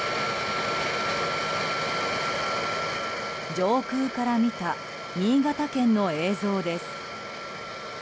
上空から見た新潟県の映像です。